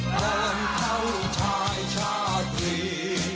กรรมเข้าใหช่าทรีย์